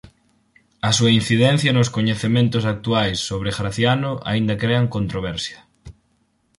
A súa incidencia nos coñecementos actuais sobre Graciano aínda crean controversia.